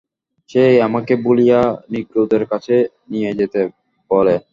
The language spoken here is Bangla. সে আমাকে ভুলিয়ে নিগ্রোদের কাছে নিয়ে যেতে বলে।